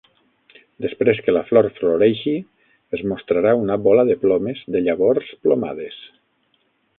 Després que la flor floreixi, es mostrarà una bola de plomes de llavors plomades.